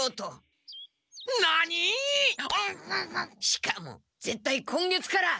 しかもぜったい今月から！